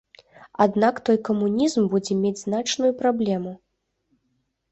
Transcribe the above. Аднак той камунізм будзе мець значную праблему.